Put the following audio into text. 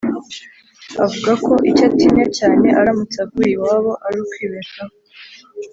avuga ko icyo atinya cyane aramutse avuye iwabo ari ukwibeshaho